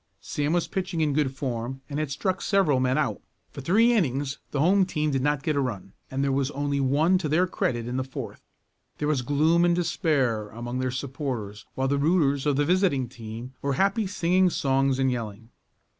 Sam was pitching in good form, and had struck several men out. For three innings the home team did not get a run, and there was only one to their credit in the fourth. There was gloom and despair among their supporters while the "rooters" of the visiting team were happy singing songs and yelling.